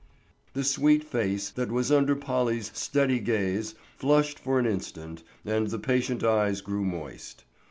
The sweet face that was under Polly's steady gaze flushed for an instant and the patient eyes grew moist.